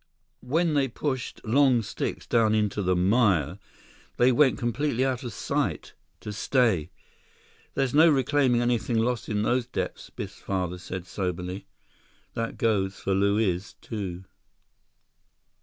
When they pushed long sticks down into the mire, they went completely out of sight, to stay. "There's no reclaiming anything lost in those depths," Biff's father said soberly. "That goes for Luiz, too."